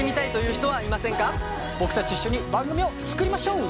僕たちと一緒に番組を作りましょう。